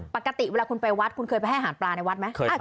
ปกติเวลาคุณไปวัดคุณเคยไปให้อาหารปลาในวัดไหม